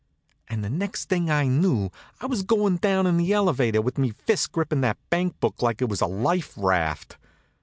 And the next thing I knew I was goin' down in the elevator with me fist grippin' that bank book like it was a life raft.